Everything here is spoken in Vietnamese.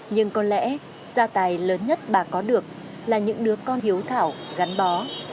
nhưng có lẽ gia tài lớn nhất bà có được là những đứa con hiếu thảo gắn bó